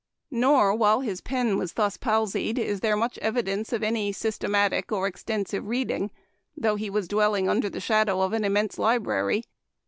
Nor while his pen was thus palsied is there much evidence of any systematic or extensive reading, though he was dwelling under the shadow of an immense library.